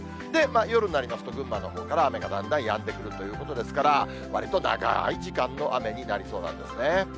夜になりますと、群馬のほうから雨がだんだんやんでくるということですから、わりと長い時間の雨になりそうなんですね。